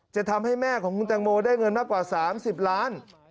จะทำให้แม่ของคุณแตงโมได้เงินมากกว่า๓๐ล้าน